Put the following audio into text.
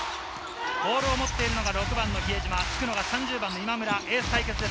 ボールを持っているのは６番・比江島、３０番は今村、エース対決。